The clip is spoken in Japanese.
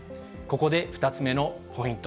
ここで２つ目のポイント。